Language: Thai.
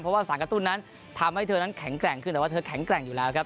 เพราะว่าสารกระตุ้นนั้นทำให้เธอนั้นแข็งแกร่งขึ้นแต่ว่าเธอแข็งแกร่งอยู่แล้วครับ